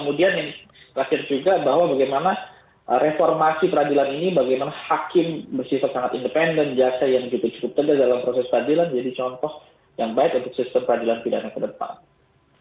kemudian yang terakhir juga bahwa bagaimana reformasi peradilan ini bagaimana hakim bersifat sangat independen jaksa yang juga cukup tegas dalam proses peradilan jadi contoh yang baik untuk sistem peradilan pidana ke depan